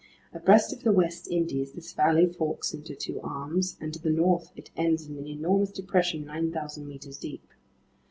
Abreast of the West Indies, this valley forks into two arms, and to the north it ends in an enormous depression 9,000 meters deep.